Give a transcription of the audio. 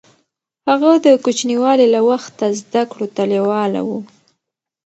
هغه د کوچنيوالي له وخته زده کړو ته لېواله و.